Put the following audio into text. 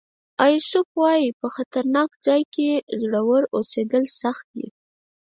ایسوپ وایي په خطرناک ځای کې زړور اوسېدل سخت دي.